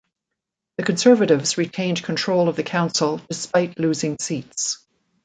The Conservatives retained control of the council despite losing seats.